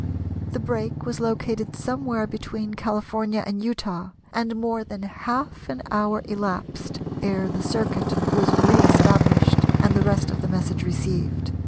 The break was located somewhere between California and Utah, and more than half an hour elapsed ere the circuit was re established, and the rest of the message received.